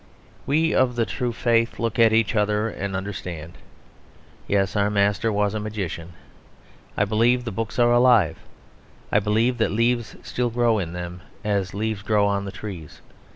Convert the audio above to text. We of the true faith look at each other and understand; yes, our master was a magician. I believe the books are alive; I believe that leaves still grow in them, as leaves grow on the trees.